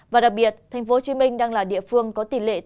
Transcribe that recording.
và đặc biệt tp hcm đang là địa phương có tỷ lệ tự nhiên